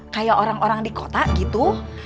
kayak orang orang di kota gitu